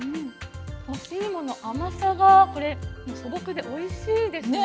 干しいもの甘さがこれ素朴でおいしいですね。